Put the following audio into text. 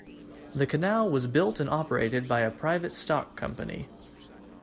The canal was built and operated by a private stock company.